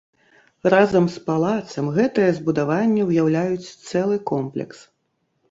Разам з палацам гэтыя збудаванне ўяўляюць цэлы комплекс.